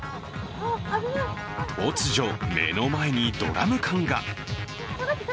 突如、目の前にドラム缶が。